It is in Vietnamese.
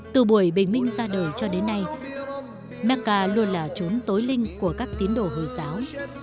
từ buổi bình minh ra đời cho đến nay macca luôn là trốn tối linh của các tín đồ hồi giáo